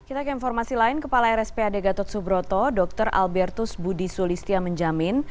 kita ke informasi lain kepala rspad gatot subroto dr albertus budi sulistya menjamin